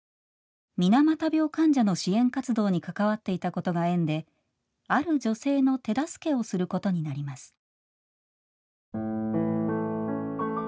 水俣病患者の支援活動に関わっていたことが縁である女性の手助けをすることになります。